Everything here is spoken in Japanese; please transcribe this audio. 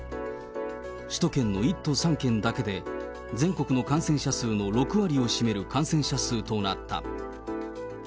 首都圏の１都３県だけで、全国の感染者数の６割を占める感染者数となった。